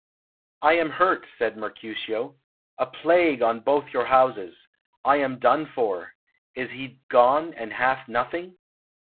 "I am hurt," said Mercutio. "A plague on both your houses! I am done for.... Is he gone, and hath nothing?"